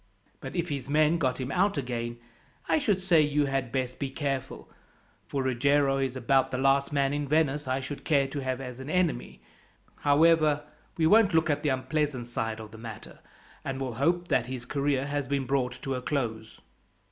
But if his men got him out again, I should say you had best be careful, for Ruggiero is about the last man in Venice I should care to have as an enemy. However, we won't look at the unpleasant side of the matter, and will hope that his career has been brought to a close."